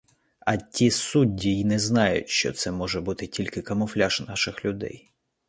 А ті судді й не знають, що це може бути тільки камуфляж наших людей.